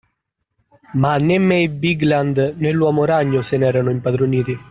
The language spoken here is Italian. Ma né May Bigland, né l’uomo ragno se ne erano impadroniti.